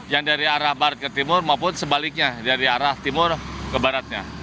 yang dari arah barat ke timur maupun sebaliknya dari arah timur ke baratnya